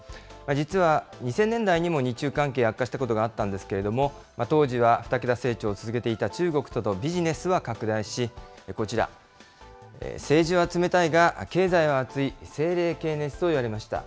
実は２０００年代にも日中関係、悪化したことがあったんですけれども、当時は２桁成長を続けていた中国とのビジネスは拡大し、こちら、政治は冷たいが経済は熱い、政冷経熱といわれました。